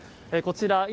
こちら